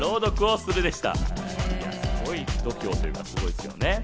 すごい度胸というか、すごいですよね。